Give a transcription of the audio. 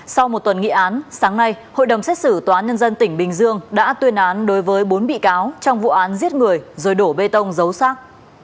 sau một tuần nghị án sáng nay hội đồng xét xử tòa nhân dân tỉnh bình dương đã tuyên án đối với bốn bị cáo trong vụ án giết người rồi đổ bê tông dấu xác